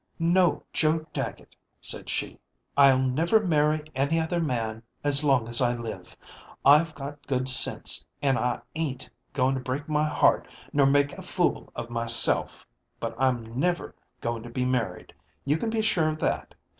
"No, Joe Dagget," said she, "I'll never marry any other man as long as I live. I've got good sense, an' I ain't going to break my heart nor make a fool of myself; but I'm never going to be married, you can be sure of that.